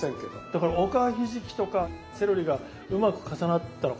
だからおかひじきとかセロリがうまく重なったのかな。